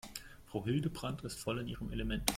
Frau Hildebrand ist voll in ihrem Element.